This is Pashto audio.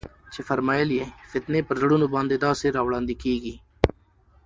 چي فرمايل ئې: فتنې پر زړونو باندي داسي راوړاندي كېږي